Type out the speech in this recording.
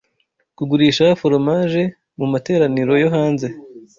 Kugurisha foromaje mu materaniro yo hanze